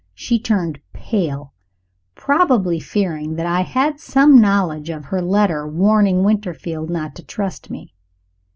She turned pale probably fearing that I had some knowledge of her letter warning Winterfield not to trust me.